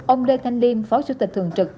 ông lê thanh liêm phó chủ tịch thường trực